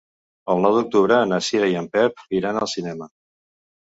El nou d'octubre na Cira i en Pep iran al cinema.